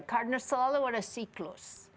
karena selalu ada siklus